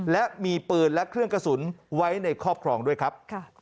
และมีปืนและเครื่องกระสุนไว้ในครอบครองด้วยครับ